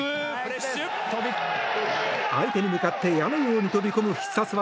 相手に向かって矢のように飛び込む必殺技